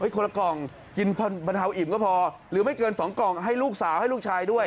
คนละกล่องกินบรรเทาอิ่มก็พอหรือไม่เกิน๒กล่องให้ลูกสาวให้ลูกชายด้วย